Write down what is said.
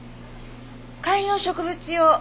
観葉植物用。